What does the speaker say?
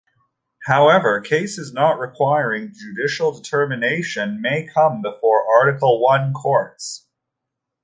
However, cases not requiring "judicial determination" may come before Article One courts.